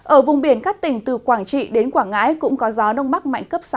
ở vùng biển các tỉnh từ quảng trị đến quảng ngãi cũng có gió đông bắc mạnh cấp sáu